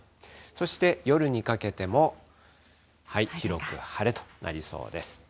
そして夜にかけても、広く晴れとなりそうです。